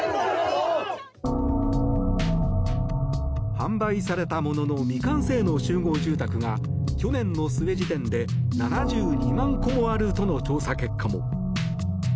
販売されたものの未完成の集合住宅が去年の末時点で７２万戸もあるとの調査結果も。